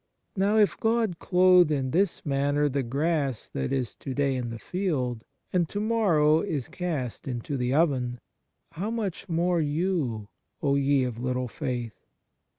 Now if God clothe in this manner the grass that is to day in the field, and to morrow is cast into the oven; how much more you, O ye of little faith